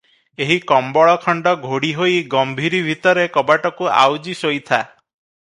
ଏହି କମ୍ବଳ ଖଣ୍ଡ ଘୋଡ଼ି ହୋଇ ଗମ୍ଭୀରି ଭିତରେ କବାଟକୁ ଆଉଜି ଶୋଇ ଥା ।